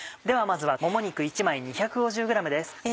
ではまずはもも肉１枚２５０ｇです。